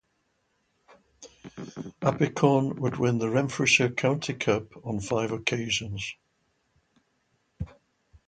Abercorn would win the Renfrewshire County Cup on five occasions.